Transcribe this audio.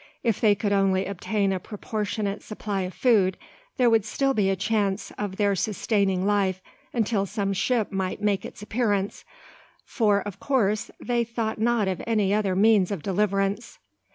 If they could only obtain a proportionate supply of food, there would still be a chance of their sustaining life until some ship might make its appearance, for, of course, they thought not of any other means of deliverance.